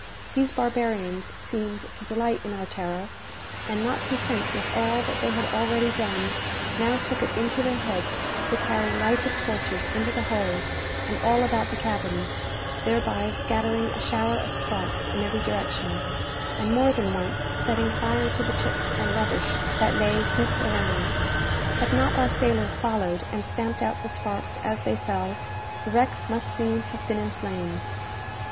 These barbarians seemed to delight in our terror; and, not content with all that they had already done, now took it into their heads to carry lighted torches into the hold, and all about the cabins, thereby scattering a shower of sparks in every direction, and more than once setting fire to the chips and rubbish that lay heaped around. Had not our sailors followed, and stamped out the sparks as they fell, the wreck must soon have been in flames.